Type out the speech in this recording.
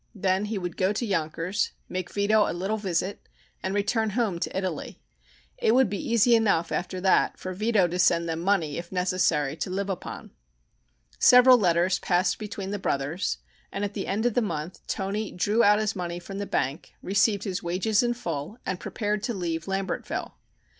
Then he would go to Yonkers, make Vito a little visit, and return home to Italy. It would be easy enough, after that, for Vito would send them money, if necessary, to live upon. Several letters passed between the brothers, and at the end of the month Toni drew out his money from the bank, received his wages in full, and prepared to leave Lambertville.